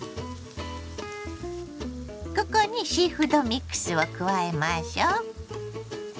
ここにシーフードミックスを加えましょ。